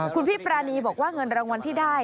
คุณพี่ปรานีบอกว่าเงินรางวัลที่ได้